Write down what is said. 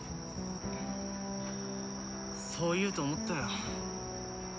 そう言うと思ったよ。